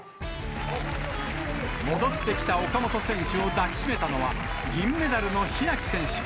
戻ってきた岡本選手を抱き締めたのは、銀メダルの開選手。